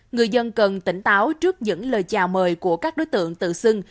người dân cần tỉnh táo trước những lời chào mời của các đối tượng tự xưng